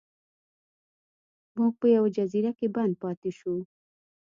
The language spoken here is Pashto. موږ په یوه جزیره کې بند پاتې شو.